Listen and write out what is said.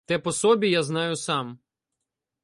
Те по собі я знаю сам.